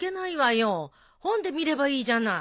本で見ればいいじゃない。